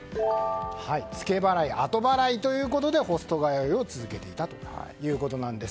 ツケ払い、後払いということでホスト通いを続けていたということです。